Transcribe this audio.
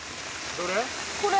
どれ？